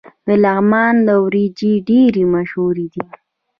د لغمان وریجې ډیرې مشهورې دي.